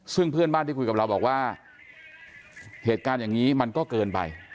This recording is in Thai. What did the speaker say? ซึ่งเพื่อนบ้านที่คุยกับเราบอกว่าเหตุการณ์อย่างนี้มันก็เกินไป